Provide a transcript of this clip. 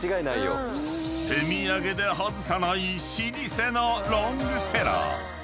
［手土産で外さない老舗のロングセラー］